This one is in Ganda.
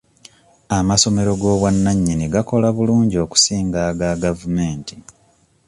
Amasomero g'obwannannyini gakola bulungi okusinga aga gavumenti.